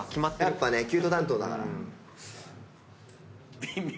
やっぱキュート担当だから。